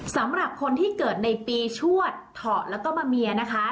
สำหรับคนที่เกิดในปีชวดเถาะแล้วก็มะเมียนะคะ